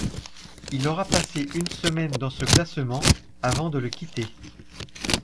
Il aura passé une semaine dans ce classement avant de le quitter.